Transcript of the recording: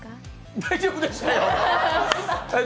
大丈夫でした。